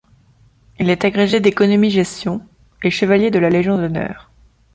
Il est agrégé d’économie gestion et chevalier de la Légion d’honneur.